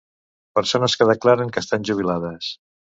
Persones que declaren que estan jubilades.